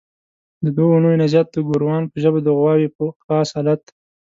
د دوو اونیو نه زیات د ګوروان په ژبه د غواوو په خاص الت.